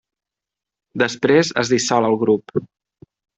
Després es dissol el grup.